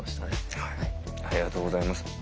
ありがとうございます。